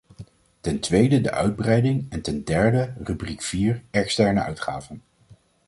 Ten tweede de uitbreiding, en ten derde rubriek vier, externe uitgaven.